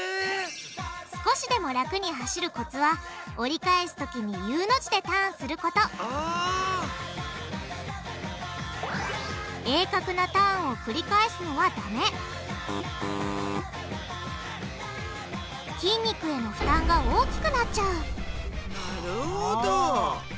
少しでも楽に走るコツは折り返すときにＵの字でターンすること鋭角なターンを繰り返すのはダメ筋肉への負担が大きくなっちゃうなるほど。